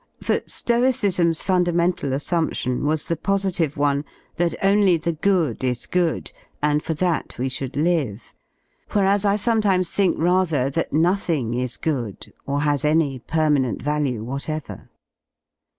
For Stoicism's funda mental assumption was the positive one that only the good is good, and for that we should live; whereas I sometimes think rather that nothing is good or has any permanent value whatever.